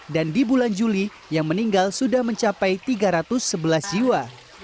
di bulan juli yang meninggal sudah mencapai tiga ratus sebelas jiwa